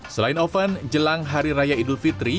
selain oven jelang hari raya idul fitri